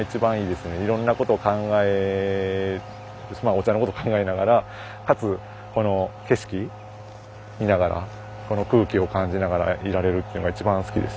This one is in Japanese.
お茶のことを考えながらかつこの景色見ながらこの空気を感じながらいられるっていうのが一番好きですよね。